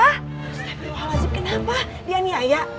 astagfirullahaladzim kenapa dia niaya